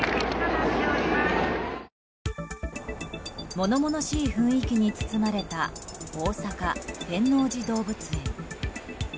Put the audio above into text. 物々しい雰囲気に包まれた大阪・天王寺動物園。